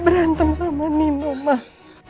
berantem sama nino mbak